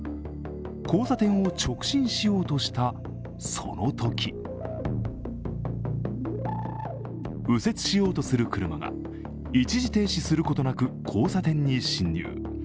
交差点を直進しようとした、そのとき右折しようとする車が一時停止することなく交差点に進入。